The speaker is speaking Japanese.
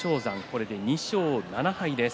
これで２勝７敗